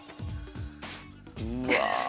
うわ！